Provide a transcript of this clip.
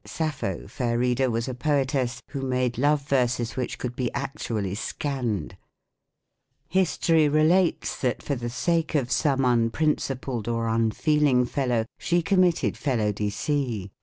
Sappho, fair reader, was a poetess, who made love verses which could be actually scanned. History re 134 THE COMIC ENGLISH GRABIMAR. lates that, for the sake of some unprincipled or unfeel ing fellow, she committedyeZo de se.